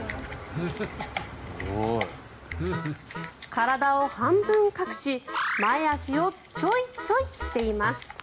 体を半分隠し前足をチョイチョイしています。